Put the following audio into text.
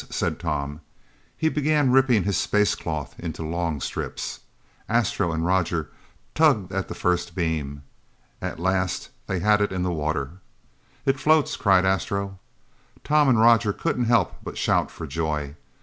said Tom. He began ripping his space cloth into long strips. Astro and Roger tugged at the first beam. At last they had it in the water. "It floats," cried Astro. Tom and Roger couldn't help but shout for joy.